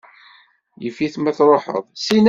Yif-it ma tṛuḥeḍ.